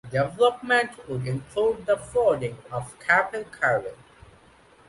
The development would include the flooding of Capel Celyn.